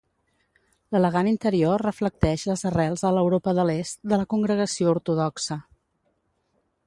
L'elegant interior reflecteix les arrels a l'Europa de l'est de la congregació ortodoxa.